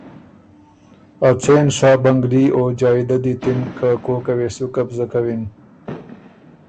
ا څېن سا بنګلي او جائددي ت اِن که کوکه وې سو قبضۀ کوِن۔